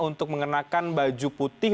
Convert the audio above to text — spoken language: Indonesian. untuk mengenakan baju putih